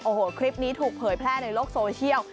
วันนี้ถูกเผยแพร่ในโลกโซเชียล